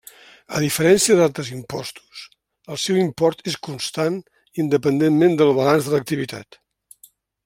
A diferència d'altres impostos, el seu import és constant independentment del balanç de l'activitat.